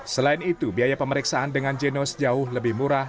selain itu biaya pemeriksaan dengan genos jauh lebih murah